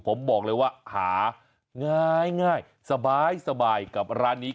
ผมบอกเลยว่าหาง่ายสบายกับร้านนี้